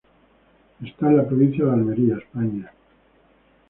Está en la provincia de Almería, España.